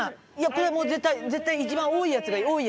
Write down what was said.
これもう絶対絶対一番多いやつがいい。